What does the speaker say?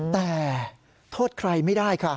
แต่โทษใครไม่ได้ค่ะ